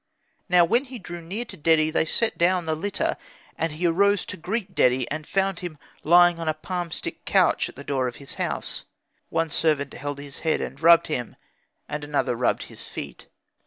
Now when he drew near to Dedi, they set down the litter. And he arose to greet Dedi, and found him lying on a palmstick couch at the door of his house; one servant held his head and rubbed him, and another rubbed his feet.